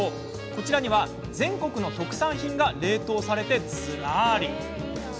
こちらには全国の特産品が冷凍されて、ずらり！